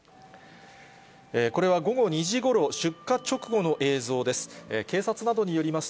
これは午後２時ごろ、出火直後の映像です。